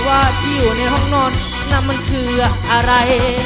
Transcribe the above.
ว่าที่อยู่ในห้องนอนนั่นมันคืออะไร